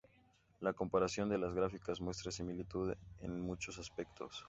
La comparación de las grafías muestra similitudes en muchos aspectos.